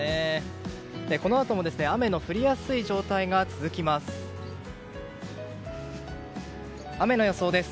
このあとも雨の降りやすい状態が続きます。